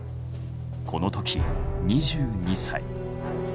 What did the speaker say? この時２２歳。